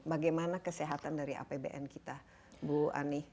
bagaimana kesehatan dari apbn kita bu ani